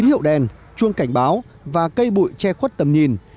nền chuông cảnh báo và cây bụi che khuất tầm nhìn